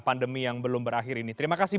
pandemi yang belum berakhir ini terima kasih